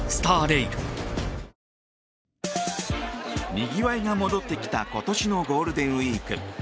にぎわいが戻ってきた今年のゴールデンウィーク。